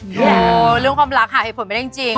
โอ้โฮเรื่องความรักหาเหตุผลไม่ได้จริงค่ะ